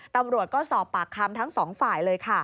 ตำรวจก็สอบปากคำทั้ง๒ฝ่ายเลย